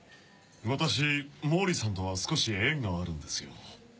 私毛利さんとは少し縁があるんですよ。